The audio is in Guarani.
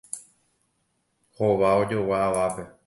Hova ojogua avápe.